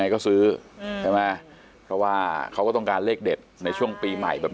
ก็ซื้อใช่ไหมเพราะว่าเขาก็ต้องการเลขเด็ดในช่วงปีใหม่แบบ